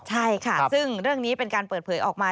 ใช่ค่ะซึ่งเรื่องนี้เป็นการเปิดเผยออกมา